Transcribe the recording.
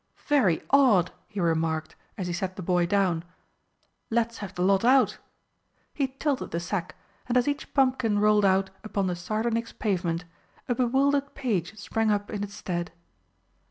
"Very odd!" he remarked, as he set the boy down. "Let's have the lot out." He tilted the sack, and as each pumpkin rolled out upon the sardonyx pavement, a bewildered page sprang up in its stead.